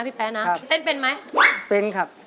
เต้นเป็นไหมจริงหรือเปล่าเต้นครับ